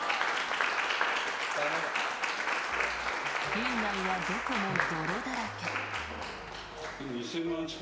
院内はどこも泥だらけ。